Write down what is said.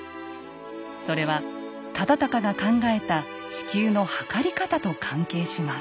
それは忠敬が考えた地球の測り方と関係します。